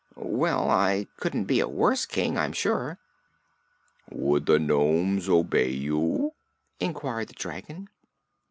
"Well, I couldn't be a worse King, I'm sure." "Would the nomes obey you?" inquired the dragon.